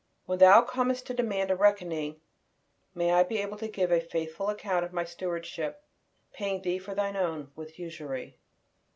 When Thou comest to demand a reckoning, may I be able to give a faithful account of my stewardship, paying Thee Thine own with usury.